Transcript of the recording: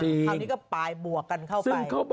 คราวนี้ก็ปลายบวกกันเข้าไป